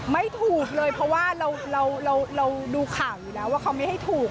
ไม่ถูกเลยเพราะว่าเราดูข่าวอยู่แล้วว่าเขาไม่ให้ถูก